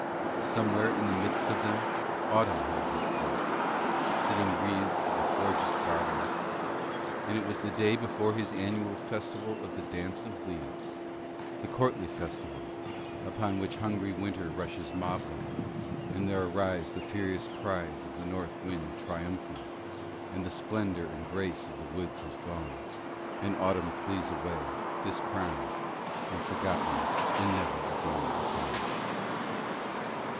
Somewhere in the midst of them Autumn held his court, sitting wreathed with gorgeous garlands; and it was the day before his annual festival of the Dance of Leaves, the courtly festival upon which hungry Winter rushes mob like, and there arise the furious cries of the North Wind triumphing, and all the splendour and grace of the woods is gone, and Autumn flees away, discrowned and forgotten, and never again returns.